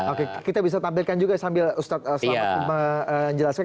oke kita bisa tampilkan juga sambil ustaz selalu menjelaskan